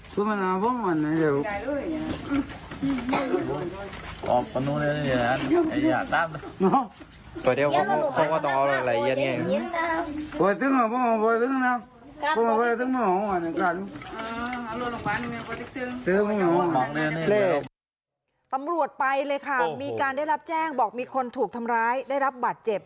ตำรวจไปเลยค่ะมีการได้รับแจ้งบอกมีคนถูกทำร้ายได้รับบาดเจ็บ